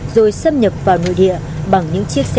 rồi xâm nhập vào nội địa bằng những chiếc xe